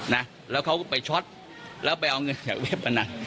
นะแล้วเขาก็ไปช็อตแล้วไปเอาเงินจากเว็บอ่ะนะ